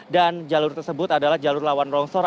dan jalur tersebut adalah jalur lawan rongsor